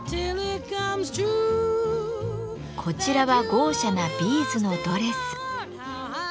こちらは豪奢なビーズのドレス。